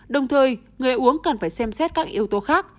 đồng thời người uống cần phải xem xét các yếu tố khác